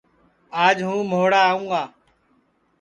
آج ہوں مھوڑا آوں گا